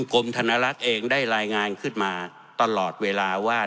กรมธนลักษณ์เองได้รายงานขึ้นมาตลอดเวลาว่า